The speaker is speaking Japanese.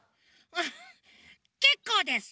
けっこうです！